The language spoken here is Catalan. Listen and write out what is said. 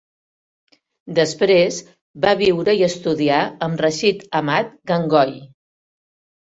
Després, va viure i estudiar amb Rashid Ahmad Gangohi.